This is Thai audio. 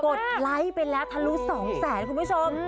ดไลค์ไปแล้วทะลุ๒แสนคุณผู้ชม